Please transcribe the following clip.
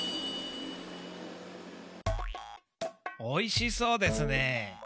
おいしそうですね。